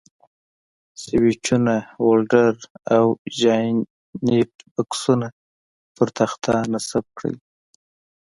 سویچونه، ولډر او جاینټ بکسونه پر تخته نصب کړئ.